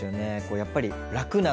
やっぱり楽なので。